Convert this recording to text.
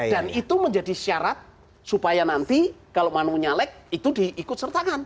dan itu menjadi syarat supaya nanti kalau mau nyalek itu diikut sertangan